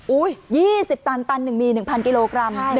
อุ๊ย๒๐ตันตันหนึ่งมี๑๐๐๐กิโลกรัม